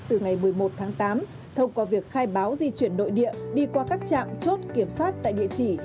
từ ngày một mươi một tháng tám thông qua việc khai báo di chuyển nội địa đi qua các trạm chốt kiểm soát tại địa chỉ